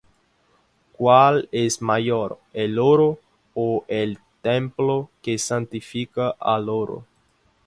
¿cuál es mayor, el oro, ó el templo que santifica al oro?